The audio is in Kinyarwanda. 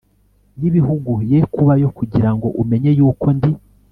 y ibibugu ye kubayo kugira ngo umenye yuko ndi